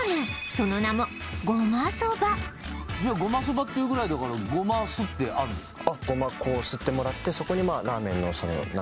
その名も胡麻そば胡麻そばって言うぐらいだから胡麻すってあるんですか？